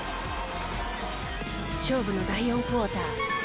勝負の第４クォーター。